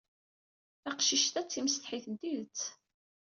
Taqcict-a d timsetḥit n tidet.